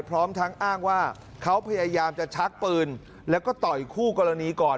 พร้อมทั้งอ้างว่าเขาพยายามจะชักปืนแล้วก็ต่อยคู่กรณีก่อน